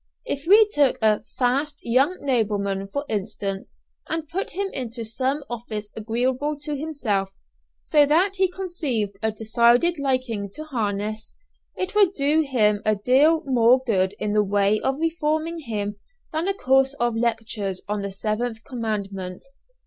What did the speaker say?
If we took a "fast" young nobleman, for instance, and put him to some office agreeable to himself, so that he conceived a decided liking to harness, it would do him a deal more good in the way of reforming him than a course of lectures on the seventh commandment!